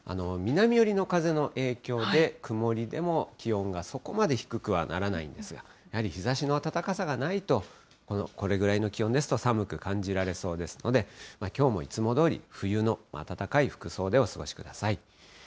南寄りの風の影響で、曇りでも気温がそこまで低くはならないんですが、やはり日ざしの暖かさがないと、これぐらいの気温ですと、寒く感じられそうですので、きょうもいつもどおり、冬の暖かい服装でお過ごしください。